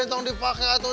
hei toh dipakai aduh